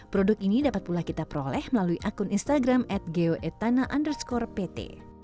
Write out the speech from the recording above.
produk ini dapat pula kita peroleh melalui akun instagram at geoetana underscore pt